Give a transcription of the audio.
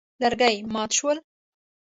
لرګي مات شول.